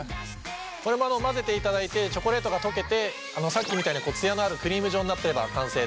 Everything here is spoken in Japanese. このまま混ぜていただいてチョコレートが溶けてさっきみたいなツヤのあるクリーム状になってれば完成です。